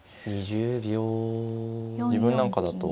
自分なんかだと。